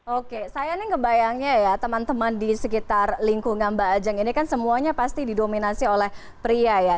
oke saya nih ngebayangnya ya teman teman di sekitar lingkungan mbak ajang ini kan semuanya pasti didominasi oleh pria ya